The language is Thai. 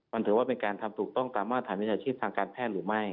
มันถือว่าเป็นการทำถูกต้องตามมาตรฐานวิชาชีพทางการแพทย์หรือไม่